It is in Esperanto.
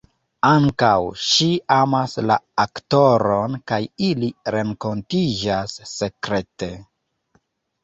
Ankaŭ ŝi amas la aktoron kaj ili renkontiĝas sekrete.